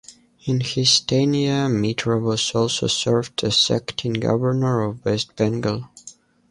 In his tenure Mitra was also served as acting Governor of West Bengal.